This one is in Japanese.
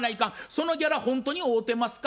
そのギャラほんとに合うてますか？